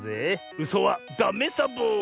うそはダメサボ！